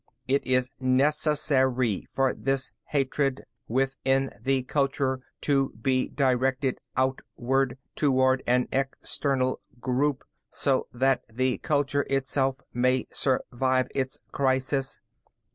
"It is necessary for this hatred within the culture to be directed outward, toward an external group, so that the culture itself may survive its crisis.